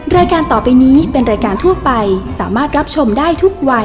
รายการต่อไปนี้เป็นรายการทั่วไปสามารถรับชมได้ทุกวัย